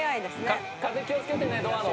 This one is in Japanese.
風気を付けてねドアの。